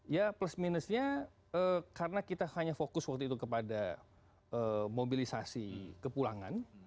ya plus minusnya karena kita hanya fokus waktu itu kepada mobilisasi kepulangan